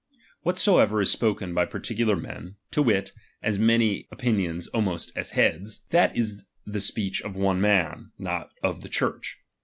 Whatsoever is spoken by particular ^| men, (to wit, as many opinions almost as heads), ^H that is the speech of one man, not of the Church.